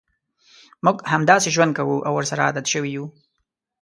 موږ همداسې ژوند کوو او ورسره عادت شوي یوو.